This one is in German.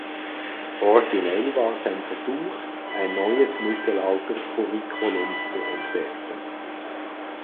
Originell war sein Versuch, ein neues Mittelalter-Curriculum zu entwerfen.